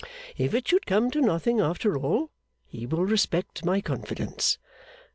If it should come to nothing after all, he will respect my confidence.